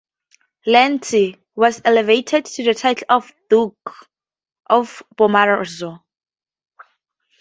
Lante was elevated to the title of "Duke of Bomarzo".